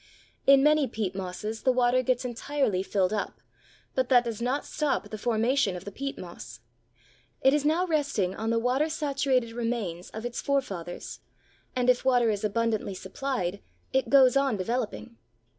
In many peat mosses the water gets entirely filled up, but that does not stop the formation of the peat moss. It is now resting on the water saturated remains of its forefathers, and if water is abundantly supplied it goes on developing.